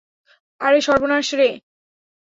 আরে সর্বনাশ রে!